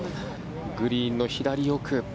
グリーンの左奥。